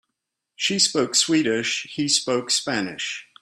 She spoke Swedish, he spoke Spanish.